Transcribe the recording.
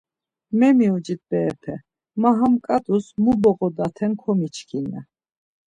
Memiucit berepe, ma ham ǩat̆us mu boğodaten komiçkin ya.